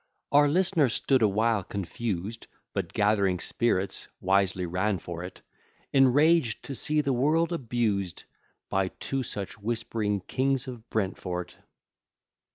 Our listener stood awhile confused, But gathering spirits, wisely ran for't, Enraged to see the world abused, By two such whispering kings of Brentford.